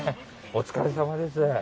お疲れさまです。